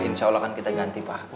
insya allah kan kita ganti pak